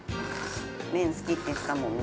麺、好きって言ってたもんね。